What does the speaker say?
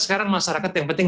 sekarang masyarakat yang penting